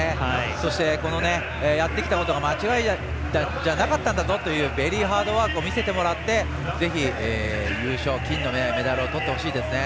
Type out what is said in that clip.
そしてやってきたことが間違いじゃなかったんだというベリーハードワークを見せてもらってぜひ、優勝金メダルをとってほしいですね。